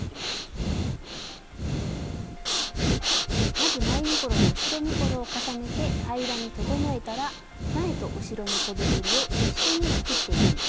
まず前身ごろと後ろ身ごろを重ねて平らに整えたら前と後ろのそでぐりを一緒に切っていきます。